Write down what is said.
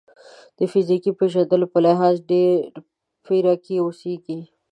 د فیزیکي پېژندلو په لحاظ ډبرپېر کې اوسېږي.